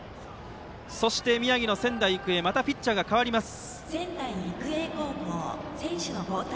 そして、宮城の仙台育英はまたピッチャーが代わります。